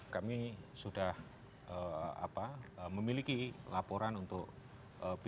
dan ini sudah memiliki laporan untuk b enam